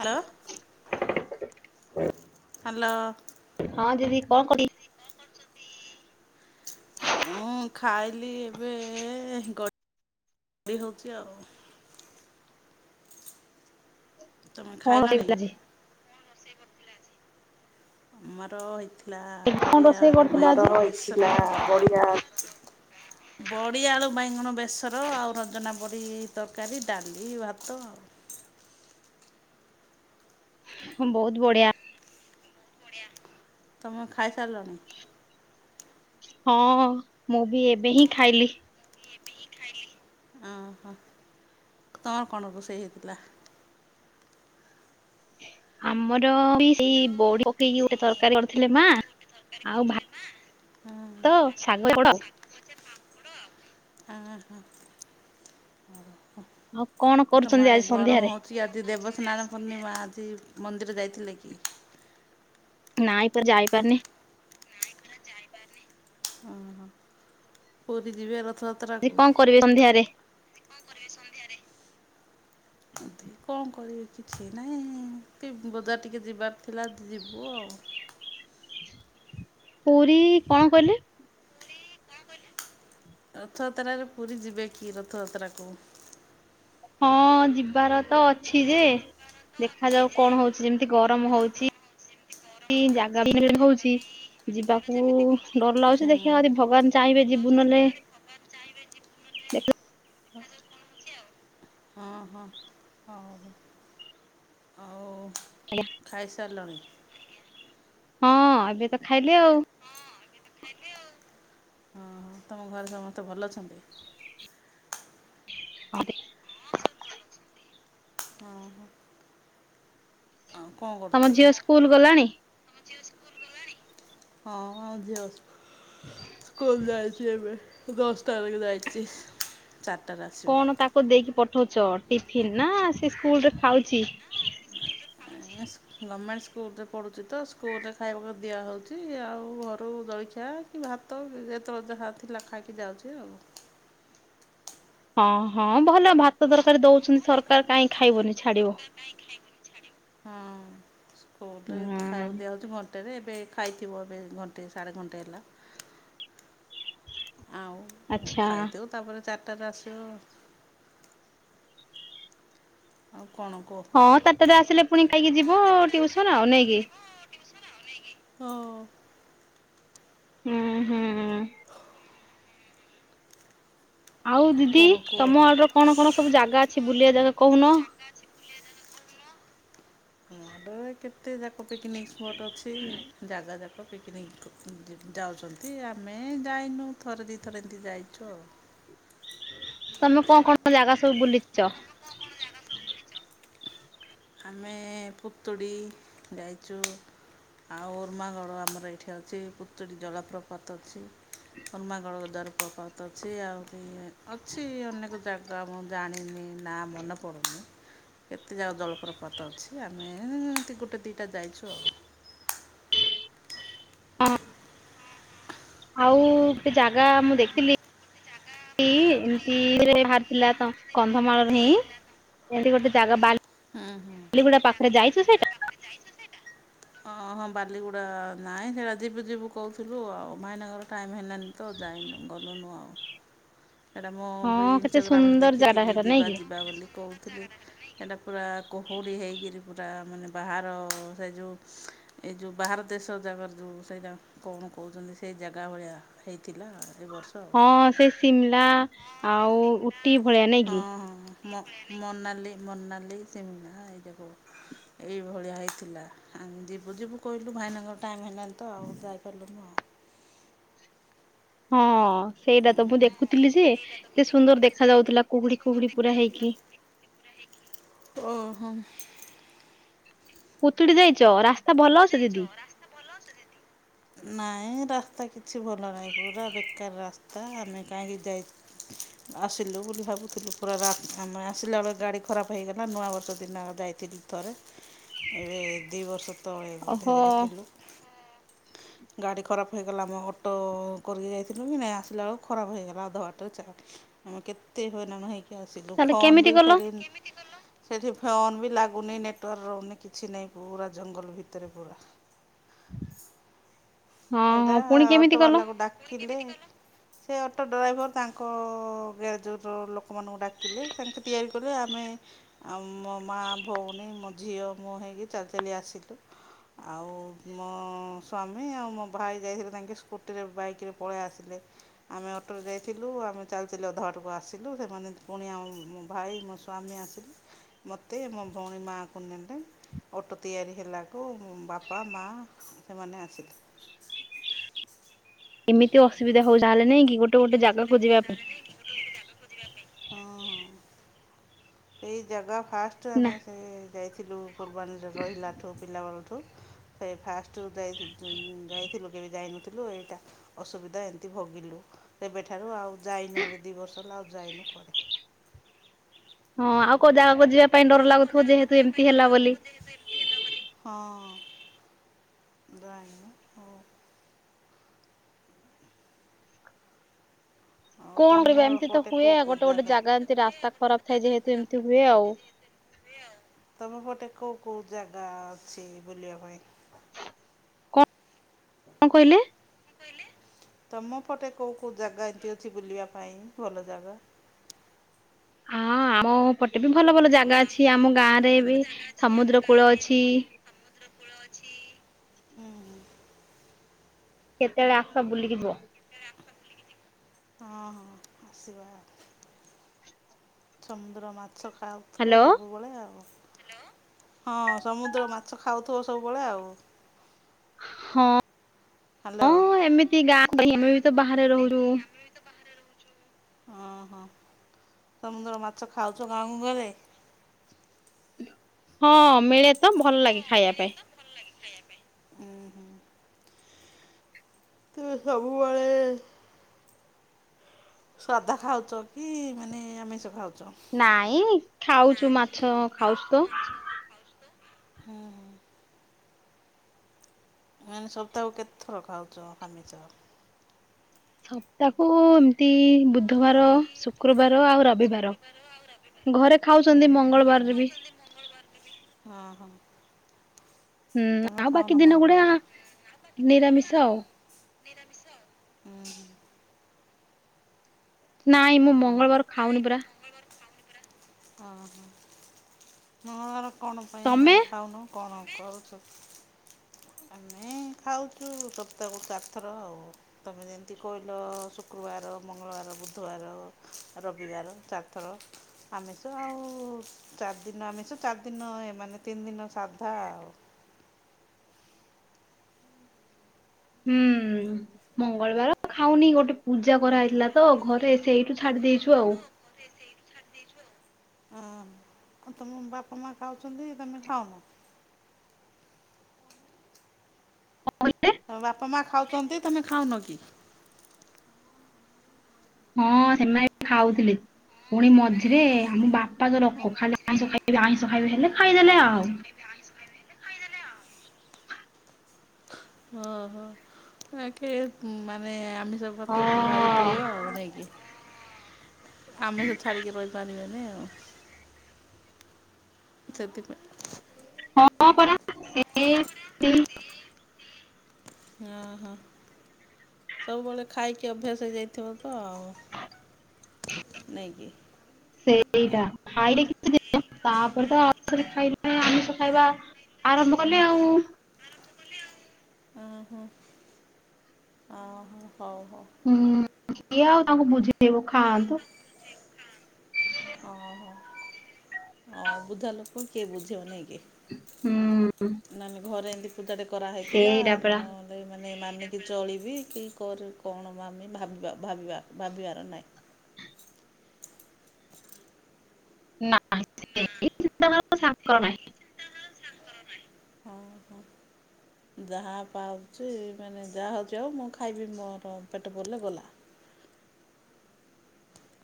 Hello. ହଁ hello. ହଁ ଦିଦି କଣ [unintelligible] ହଁ ଖାଇଲି ଏବେ ଏ ଏ ଗ ଡେଇ ହଉଚି ଆଉ। ତମେ କଣ ରୋଷେଇ ଖାଇଲଣି? କରିଥିଲ ଆଜି? ଆମର ହେଇଥି କଣ ରୋଷେଇ କରିଥିଲେ ଆଜି? ବଡି, ଆଳୁ ବାଇଁଗଣ ବେସର ଆଉ ରଜନା ପକୁଡ଼ି ତରକାରୀ ଡାଲି ଭାତ ଆଉ। ହ ବହୁତ ବଢିଆ। ତମେ ଖାଇ ସାରିଲଣିି? ହଁ ମୁଁ ବି ଏବେ ହିଁ ଖାଇଲି। ଅଁ ହଁ ତମର କଣ ରୋଷେଇ ହେଇଥିଲା? ଆମର ବି ସେଇ ବଡି ପକେଇକି ଗୋଟେ ତରକାରୀ କରିଥିଲେ ମା। ଆଉ ଭା ହୁଁ। [unintelligible] ଓହୋ ହ। ତୁମ ଆଡେ ଗରମ ହଉଛିି ଆଜି ଦେବସ୍ନାନ ପୂର୍ଣିମା ଆଜି। ମନ୍ଦିର ଯାଇଥିଲେ କି? ନାଇ ପର ଯାଇପାରୁନି। କୋଦି ଯିବେ ର? ଆଜି କଣ କରିବେ ସଂନ୍ଧ୍ୟାରେ? ଏମିତି କଣ କରିବି କିଛି ନାଇଁ, କି ବଜାର ଟିକେ ଯିବାର ଥିଲା ଯିବୁ ଆଉ। ପୁରୀ କଣ କହିଲେ? ରଥଯାତ୍ରାରେ ପୁରୀ ଯିବେ କି ରଥଯାତ୍ରାକୁ? ହଁ ଯିବାର ତ ଅଛି ଯେ ଦେଖା ଯାଉ କଣ ହଉଛି ଯେମିତି ଗରମ ହଉଛି ଜାଗା ବି [unintelligible] ହଉଛି ଯିବାକୁ ଡର ଲାଗୁଛି ହୁଁ ଦେଖିବା ଯଦି ଭଗବାନ ଚାହିଁବେ ଯିବୁ ନହେଲେ ନେଟ [unintelligible] ହଁ ହଁ। ହଉ ଆଉ ହ୍ୟାଲୋ। ଖାଇସାରିଲଣି? ହଁ ଏବେ ତ ଖାଇଲି ଆଉ। ହଁ ହଁ ତମ ଘରେ ସମସ୍ତେ ଭଲ ଅଛନ୍ତି? ଆରେ। ହଁ ହଁ ଆଉ କଣ କରୁଛ ତମ ଏବେ? ଝିଅ ସ୍କୁଲ ଗଲାଣି? ହଁ ଝିଅ ସ୍କୁୁଲ ଯାଇଛି ଏବେ। ଦଶ ଟା ବେଳେ କେ ଯାଇଛି। ଚାରିଟାରେ ଆସିବ। କଣ ତାକୁ ଦେଇକି ପଠ ଉଚ ଗଭର୍ଣ୍ଣମେଣ୍ଟ ଟିଫିନ ନା ସେ ସ୍କୁଲରେ ଖାଉଛି? ଗଭମେଣ୍ଟ ସ୍କୁଲରେ ପଢ଼ୁଛି ତ ସ୍କୁଲରେ ଖାଇବାକୁ ଦିଆହଉଛି ଆଉ ଘରୁ ଜଳଖିଆ ଆ କି ଭାତ ଯେତେବେଳେ ଯାହା ଥିଲା ଖାଇକି ଯାଉଛି ଆଉ। ହଁ ହଁ ଭଲ ଭାତ ତରକାରୀ ଦଉଛନ୍ ସରକାର କାହିଁ ଖାଇବନି ଛାଡିବ। ହଁ ସ୍କୁଲରେ ହୁଁ ଖାଇବାକୁ ଦିଆହଉଛି ଘଣ୍ଟେରେ ଏବେ ଖାଇଥିବ ଏବେ ଘଣ୍ଟେ ସାଢ଼େ ଘଣ୍ଟେ ହେଲା। ଆଉ ଉଁ ଆଚ୍ଛା ଖାଇଦଉ ତାପରେ ଚାରିଟାରେ ଆସିବ ଆଉ। କ'ଣ କୁହ ହଁ ଚାରିଟାରେ ଆସିଲେ ପୁଣି ଖାଇକି ଯିବ ଟିଉସନ ଆଉ ନାଇକି? ହଁ। ହୁଁ ହୁଁ। ଆଉ ଦିଦି କ'ଣ କୁହ ତମ ଆଡର କଣ କଣ ସବୁ ଜାଗା ଅ ଛି ବୁଲିବା ଜାଗା କହୁନ? ହଁ ଏବେ କେତେ ଯାକ ପିକନିକ୍ ସ୍ପଟ ଅଛି। ଜାଗା ଯାକ ପିକନିକ ଯ ଯାଉଛନ୍ତି। ଆମେ ଯାଇନୁ ଥରେ ଦି ଥରେ ଏମିତି ଯାଇଛୁ ଆଉ। ତମେ କଣ କଣ ଜାଗା ସବୁ ବୁଲିଚ? ଆମେ ପୁତୁଡ଼ି ଯାଇଚୁ। ଆଉ ଉର୍ମାଗଡ଼ ଆମର ଏଇଠି ଅଛି। ପୁତୁଡ଼ି ଜଳପ୍ରପାତ ଅଛି। ଉର୍ମାଗଡ। [unintelligible] ପ୍ରପାତ ଅଛି। ଆହୁରି ଅଛି ଅନେକ ଜାଗା ମୁଁ ଜାଣିନି ନା ମନେ ପଡ଼ୁନି। କେତେ ଯା ଜଳ। ପ୍ରପାତ ଅଛି ଆମେ ଏମିତି ଗୋଟେ ଦୁଇଟା ଯାଇଛୁ ଆଉ। ହଁ ଆଉ ଗୋଟେ ଜାଗା ମୁଁ ଦେଖଥିଲି ସେ ଏମିତିରେ ବାହାରିଥିଲା ତ କନ୍ଧମାଳରେ ହିଁ। ଏମତି ଗୋଟେ ଜାଗା ବା ହୁଁ ହୁଁ ବାଲିଗୁଡା ପାଖରେ ଯାଇଛୁ ସେଟା? ହଁ ହଁ ବାଲିଗୁଡ଼ା ନାହିଁ ଯିବା ଯିବୁ ଯିବୁ କହୁଥିଲୁ ଆଉ ଭାଇନାଙ୍କର ଟାଇମ୍ ହେଲାନି ତ ଯାଇନୁ। ଗଲୁନୁ ଆ। [inaudible] ସେଇଟା ମୁଁ ବି ହଁ କେତେ ଇନଷ୍ଟାଗ୍ରାମରେ ସୁନ୍ଦର ଜାଗା ଦେଖିଥିଲି ସେଟା ନାଇଁ ଯିବା କି ଯିବା ବୋଲି କହୁଥିଲି ସେଇଟା ପୁରା କୋହୁଡ଼ି ହେଇକରି ପୁରା ମାନେ ବାହାର ସେ ଯେଉଁ ଏ ଯେଉଁ ବାହାର ଦେଶ ଜାଗାରେ ଯେଉଁ ସେଇଟା କଣ କହୁଛନ୍ତି ସେଇ ଜାଗା ଭଳିଆ ହେଇଥିଲା ଆ। ହଁ ସେ ସିମଲା ଆଉ ଉଟି ଭଳିଆ ନାଇଁ କିି। ହଁ ହଁ ମନାଲି ମନାଲି ସିମକ ଏଇ ଯାକ ଏଇ। ଭଳିଆ ହେଇଥିଲା ଆ ଯିବୁ ଯିବୁ କହିଲୁ ଭାଇନାଙ୍କର ଟାଇମ୍ ହେଇଲାନି ତ ଆଉ ଯାଇପାରିଲୁନୁ ଆଉ। ହଁ ସେଇଟା ତ ମୁଁ ଦେଖୁଥିଲି ଯେ ଏତେ ସୁନ୍ଦର ଦେଖା ଯାଉଥିଲା କୁହୁଡି କୁହୁଡି ପୁରା ହେଇକି ଓହୋ। ପୁତୁଡି ଯାଇଛ ରାସ୍ତା ଭଲ ଅଛି ଯାଇଚ ଦିଦି ରାସ୍ତା ଭଲ ଅଛି ନାଁ ନାଇଁ ରାସ୍ତା କିଛି ଭଲ ନାହିଁ ପୁରା ବେକାର ରାସ୍ତା ଆମେ କାହିଁକି ଯାଇ ଆସିଲୁ ବୋଲି ଭାବୁଥିଲୁ ପୁରା ରା ଆମେ ଆସିଲା ବେଳେ ଗାଡ଼ି ଖରାପ ହେଇଗଲା ନୂଆବର୍ଷ ଦିନ। ଯାଇଥିଲି ଥରେ ଏବେ ଦୁଇ ବର୍ଷ ତଳେ ବୋଧେ ଓହୋ ଯାଇଥିଲୁ। [inaudible] ଗାଡ଼ି ଖରାପ ହୋଇଗଲା ଆମେ ଅଟୋ କରିକି ଯାଇଥିଲୁ କି ନହିଁ ଆସିଲା ବେଳକୁ ଖରାପ ହେଇଗଲା ଅଧା ବାଟାରେ ଚା ଆମେ କେତେ ହଇରାନ ହେଇକି ଆସିଲୁ ତାହେଲେ ଫୋନ କେମିତି ବି ସେ ଗଲ ସେଇଠି ଫୋନ ବି ଲାଗୁନି ନେଟୱାର୍କ ରହୁନି କିଛି ନାହିଁ ପୁରା ଜଙ୍ଗଲ ଭିତରେ ପୁରା। [inaudible] ହଁ ଏଇଟା ହଁ ପୁଣି କେମିତି ଅଟୋ ଗଲ ବାଲାକୁ ଡାକିଲେ [inaudible] ସେ ଅଟୋ ଡ୍ରାଇଭର ତାଙ୍କ ଗ୍ୟାରେଜର ଲୋକମାନଙ୍କୁ ଡାକିଲେ ସେକେ ତିଆରି କଲେ ଆମେ ଆଉ ମୋ ମା ଭଉଣୀ ମୋ ଝିଅ ମୁଁ ହେଇକି ଚାଲି ଚାଲି ଆସିଲୁ ଆଉ ମୋ ସ୍ଵାମୀ ଆଉ ମୋ ଭାଇ ଯାଇଥିଲେ ତାଙ୍କେ ସ୍କୁଟିରେ ବାଇକରେେ ପଳେଇ ଆସିଲେ ଆମେ ଅଟୋରେ ଯାଇଥିଲୁ ଆମେ ଚାଲି ଚାଲି ଅଧା ବା ପାଟକୁ ଆସିଲୁ ସେମାନେ ପୁଣି ଆମ ମୋ ଭାଇ ମୋ ସ୍ୱାମୀ ଆସିଲି ମୋତେ ମୋ ଭଉଣୀ ମା କୁ ନେଲେ ଅଟୋ ତିଆରି ହେଲାକୁ ବାପା ମା ସେମାନେ ଆସିଲେ। ଏମିତି ଅସୁବିଧା ହଉ ତାହେଲେ ନାଇଁ କି ଗୋଟେ ଗୋଟେ ଜାଗାକୁ ଯିବା ପାଇଁ। ହଁ ହଁ ସେଇ ଜାଗା ଫାଷ୍ଟ ନା ଆମେ ସେ ଯାଇଥିଲୁ ଫୁଲବାଣୀରେ ରହିଲାଠୁ ପିଲାବେଳଠୁ ସେ ଫାଷ୍ଟ ଯାଇ ଯାଇ ଥିଲୁ କେବେ ଯାଇନଥିଲୁ ଏଇଟା ଅସୁବିଧା ଏମିତି ଭଗିଲୁ ସେବେଠାରୁ ଆଉ ଯାଇନୁ ଏବେ ଦି ବର୍ଷ ହେଲା ଲଉ ଯାଇନୁ କୁଆଡେ। ହଁ ଆଉ କୋଉ ଜାଗା କ ଯିବା। ପାଇଁ ଡର ଆଉୋଜା ଲାଗୁଥିବ ଯେହେତୁ ଖୋଜେଇିବା ଏମିତି ହେଲା ପାଇଁର ବୋଲି ଖୋଜ ଏମତି ହେଲା ବୋଲି ହଁ। ନାଇଁ ମ ହଉ। ଆଉ କଣ କରିବା ତମର ଏମିତି ତ ପଟେ କେଉଁ ହୁଏଉ କେଉଁ ଗୋଟେ ଗୋଟେ ଜାଗା ଏମିତି ରାସ୍ତା ଖରାପ ଥାଏ ଯେହେତୁ ଏମିତି ହୁଏ ଆଉ। [inaudible] ତମେ ପଟେ କେଉ କେଉଁ ଜାଗା ଅଛି ବୁଲିବା ପାଇଁ? କ କଣ କହିଲେ? ତମ ପଟେ କୋଉ କୋଉ ଜାଗା ଏମତି ଅଛି ବୁଲିବା ପାଇଁ ଭଲ ଜାଗା [inaudible] ହଁ ଆମ ପଟେ ବି ଭଲ ଭଲ ଜାଗା ଅଛି ଆମ ଗାଁରେ ବି ସମୁଦ୍ର କୂଳ ଅଛି। [inaudible] ହୁଁ କେତେବେଳେ ଆସ ବୁଲିଯିବ? ହଁ ହଁ ଆସିବା, ଚନ୍ଦ୍ର ମା ସକାଳୁଥିବ ହ୍ୟାଲୋ ସବୁବେଳେ ଆଉ ହଁ ସମୁଦ୍ର ମାଛ ଖାଉଥିବ ସବୁବେଳେ ଆଉ ହଁ ହ୍ୟାଲୋ। ହଁ ଏମିତି ଗାଁ, ଆମେ ବି ତ ବାହାରେ ରହୁଛୁ ଓ ହୋ ସମୁଦ୍ର ମାଛ ଖାଉଛ ଗାଁ କୁ ଗଲେ? ହଁ ମିଳେ ତ ଭଲ ଲାଗେ ଖାଇବା ପାଇଁ। ହୁଁ ହୁଁ। ତୁ ସବୁବେଳେ ସାଦା ଖାଉଛ କି ମାନେ ଆମିଷ ଖାଉଛ? ନାଇଁ ଖାଉଛୁ, ମାଛ ଖାଉଛୁ ତ ହୁଁ ହୁଁ ମାନେ ସପ୍ତାହକୁ କେତେଥର ଖାଉଛ ଆମିଷ? ସପ୍ତାହକୁ ଏମିତି ବୁଧବାର, ଶୁକ୍ରବାର ଆଉ ରବିବାର ଘରେ ହୁଁ, ଖାଉଛନ୍ତି ଘରେ ମଙ୍ଗଳବାରରେ ବି ଖାଉଛନ୍ତି, ମଙ୍ଗଳବାର ହଁ ହଁ ହୁଁ ତମେ ଆଉ ଖାଉନ ବାକି ଦିନ ଗୁଡା ମଙ୍ଗଳବାର ନିରାମିଷ ଆଉ ନିରମିଷ ଆଉ ନାଇଁ ମୁଁ ମଙ୍ଗଳବାର ଖାଉନି ପରା ଓହ, ମଙ୍ଗଳବାର କଣ ପାଇଁ ତମେ? ମାନେ ଖାଉନୁ କଣ ହବ କରୁଛୁ [inaudible] ଖାଉଛୁ, ସପ୍ତାହକୁ ଚାରି ଥର ଆଉ ତମେ ଯେମିତି କୋଇଲ ଶୁକ୍ରବାର, ମଙ୍ଗଳବାର ବୁଧବାର, ରବିବାର, ଚାରି ଥର ଆମିଷ ଆଉ ଚାରି ଦିନ ଆମିଷ ଚାରି ଦିନ ମାନେ ତିନି ଦିନ, ସାଧା ଆଉ [inaudible] ହୁଁ, ମଙ୍ଗଳବାର ଖାଉନି ଗୋଟେ ପୂଜା ହଁ। କରାହେଇଥିଲା ତ, ଘରେ ସେଇଠୁ ଛାଡି ଦେଇଛୁ ଆଉ ହ ତମ ବାପା ମା ଖାଉଛନ୍ତି, ତମେ ଖାଉନ? କହିଲେ ହ ବାପା ମା ଖାଉଛନ୍ତି, ତମେ ଖାଉନ କି? ହଁ ସେମାନେ ବି ଖାଉଥିଲେ ପୁଣି ମଝିରେ ଆମ ବାପା ତ ଲୋକ, ଖାଲି ଆଇଁଷ ଖାଇବେ, ଆଇଁଷ ଖାଇବେ ହେଲେ, ଖାଇଦେଲେ ଆଉ [inaudible] ଆକେ ମାନେ ଆମିଷ ପ୍ରତି ଭାରି ହଁ ପ୍ରିୟ, ଆଉ ନାଇକି ଆମେ ତ ଛାଡିକି ରହିପାରିବେନି, ଆଉ ସେଥିପାଇଁ ହଁ ପରା ସେ ଓ ହୋ ସବୁବେଳେ ଖାଇକି ଅଭ୍ୟାସ ହେଇଯାଇଥିବ ତ ଆଉ ନାଇକି ସେଇଟା ଖାଇଲେ କିଛିିନ ତାପରେ ତ ଆଉ ଖାଇଲେ ଆମିଷ ଖାଇବା ଆରମ୍ଭ କଲେ ଆଉ ଓ ହ ହ ହ ହଉ, ହଉ ହୁଁ କିଏ ଆଉ ତାଙ୍କୁ ବୁଝେଇବ, ଖାଆନ୍ତୁ। ହଁ ହୋ ହ ଅବୁଝା ଲୋକ, କିଏ ବୁଝେଇବ ନାଇଁକି? ହୁଁ ନେଲେ [unintelligible] ଘରେ ଏମତି ପୂଜା ଟେ କରାହେଇଥିଲା ସେଇଟା ପରା ନହେଲେଏ ଏଇମାନେ ମାନିକି ଚଳିବି କି କଣ, ଭିବି ଭାବିବା ଭାବିବା ଭାବିବାର ନାଇଁ। [inaudible] ନା ସେ ସକାର ନାହି [unintelligible] ହଁ ହଁ ଯାହା ପାଉଛି ମାନେ ଯାହା ହଉଛି ଆଉ ମୁଁ ଖାଇବି ମୋର ପେଟ ପରିଲେ ଗଲା।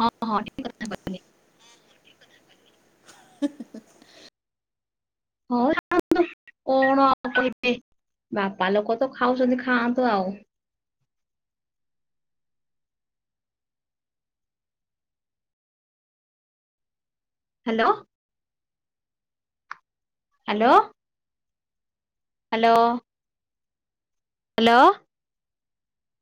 ହଁ ହଁ ଠିକ କଥା କହିଲେ। ହେଁ ହେଁ ହେଁ ହେ। ହଁ [unintelligible] କଣ ଆଉ କହିବି ବାପା ଲୋକ ତ ଖାଉଛନ୍ତି ଖାଆନ୍ତୁ ଆଉ। Hello. Hello. Hello. Hello.